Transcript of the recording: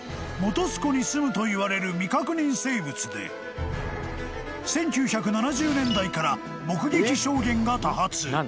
［にすむといわれる未確認生物で１９７０年代から目撃証言が多発］